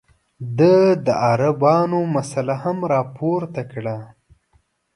ده د عربانو مسله هم راپورته کړه.